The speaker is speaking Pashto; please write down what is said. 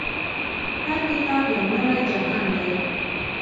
هر کتاب يو نوی جهان دی.